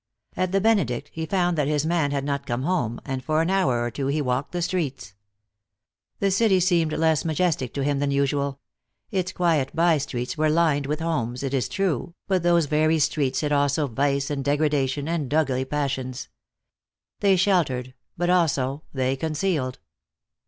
At the Benedict he found that his man had not come home, and for an hour or two he walked the streets. The city seemed less majestic to him than usual; its quiet by streets were lined with homes, it is true, but those very streets hid also vice and degradation, and ugly passions. They sheltered, but also they concealed.